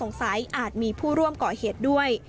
ข้อสงสัยอาจมีผู้ร่วมก่อเหตุด้วย